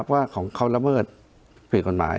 ว่าของเขาระเบิดผิดกฎหมาย